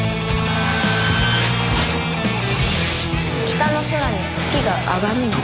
北の空に月が上がるの？